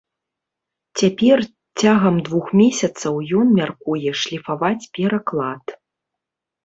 Цяпер цягам двух месяцаў ён мяркуе шліфаваць пераклад.